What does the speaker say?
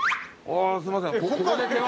あすいません。